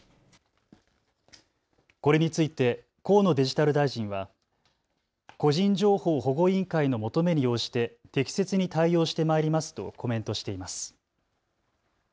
これについて河野デジタル大臣は個人情報保護委員会の求めに応じて適切に対応してまいりますとコメントしています。